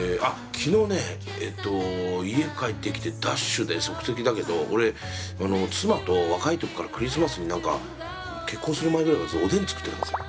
昨日ねえっと家帰ってきてダッシュで即席だけど俺妻と若い時からクリスマスに何か結婚する前ぐらいからおでん作ってたんですよ。